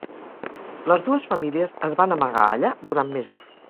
Les dues famílies es van amagar allà durant mesos.